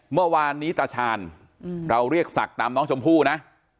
เมื่อวานนี้ตาชาญเราเรียกศักดิ์ตามน้องชมพู่นะ